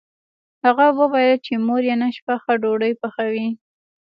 هغه وویل چې مور یې نن شپه ښه ډوډۍ پخوي